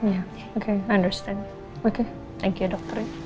ya oke saya paham oke terima kasih dokter